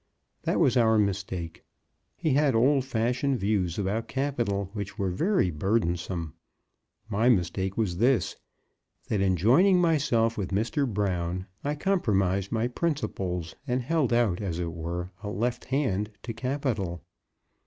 That was our mistake. He had old fashioned views about capital which were very burdensome. My mistake was this, that in joining myself with Mr. Brown, I compromised my principles, and held out, as it were, a left hand to capital.